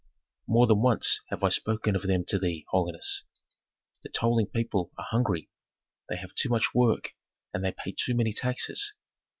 "More than once have I spoken of them to thee, holiness. The toiling people are hungry; they have too much work, and they pay too many taxes.